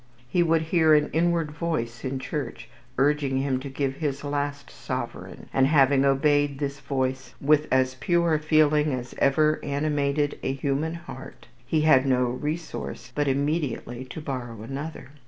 He would hear an "inward voice" in church, urging him to give his last sovereign; and, having obeyed this voice "with as pure a feeling as ever animated a human heart," he had no resource but immediately to borrow another.